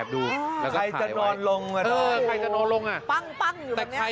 โดนละ